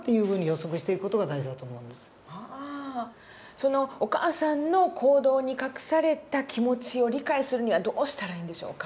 そのお母さんの行動に隠された気持ちを理解するにはどうしたらいいんでしょうか。